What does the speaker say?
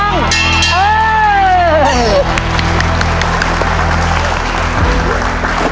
สิ